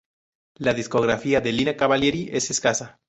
La discografía de Lina Cavalieri es escasa.